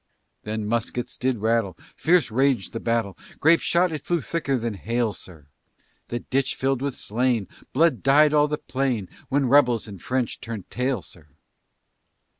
Then muskets did rattle, Fierce ragèd the battle, Grape shot it flew thicker than hail, sir. The ditch fill'd with slain, Blood dyed all the plain, When rebels and French turnèd tail, sir.